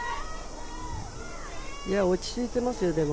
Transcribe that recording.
いや落ち着いていますよ、でも。